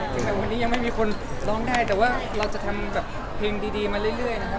ถึงวันนี้ยังไม่มีคนร้องได้แต่ว่าเราจะทำแบบเพลงดีมาเรื่อยนะครับ